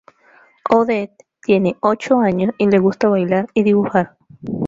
Odette tiene ocho años, y le gusta bailar y dibujar.